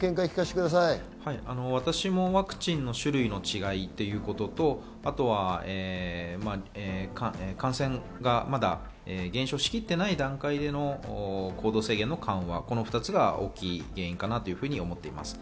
私もワクチンの種類ということと、感染がまだ減少しきっていない段階の行動制限の緩和、この２つが大きい原因かなと思っています。